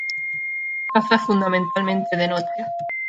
Caza fundamentalmente de noche.